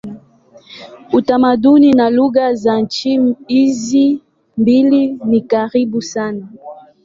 Utamaduni na lugha za nchi hizi mbili ni karibu sana.